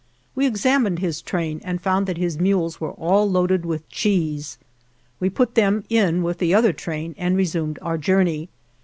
We examined his train and found that his mules were all loaded with cheese. We put them in with the other train and resumed our journey.